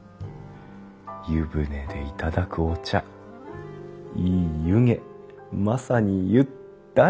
湯船で頂くお茶いい湯気まさにゆ・ったり。